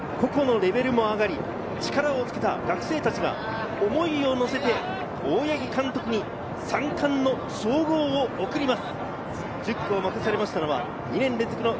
個々のレベルも上がり、力をつけた学生たちが、思いをのせて大八木監督に３冠の称号を送ります。